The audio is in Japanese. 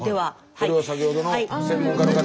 これを先ほどの専門家の方が。